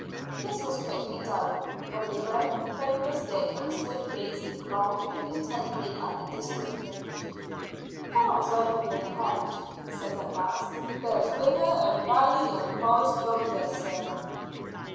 This was quickly done, and the American focussed it and stood gazing long and intently at the distant range. "Far as I can make out," he said at last, "there's river and valley and forest yonder, sir."